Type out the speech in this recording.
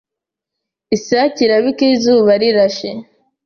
Isake irabika izuba rirashe.